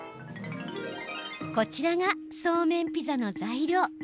こちらがそうめんピザの材料。